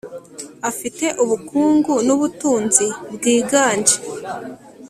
afite ubukungu n'ubutunzi bwiganje